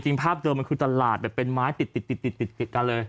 ภาพเดิมมันคือตลาดแบบเป็นไม้ติดกันเลย